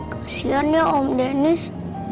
kesian ya om dennis